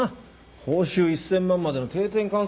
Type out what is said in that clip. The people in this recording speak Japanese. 報酬１０００万までの定点観測だろ。